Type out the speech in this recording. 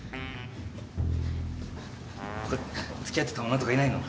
ほかにつきあってた女とかいないの？